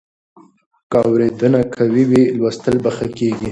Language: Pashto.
که اورېدنه قوي وي، لوستل ښه کېږي.